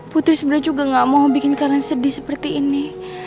putri sebenarnya juga gak mau bikin kalian sedih seperti ini